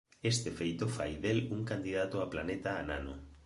Este feito fai del un candidato a planeta anano.